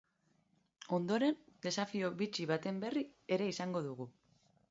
Ondoren, desafio bitxi baten berri ere izango dugu.